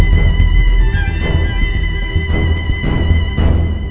dengerin aku sampe wha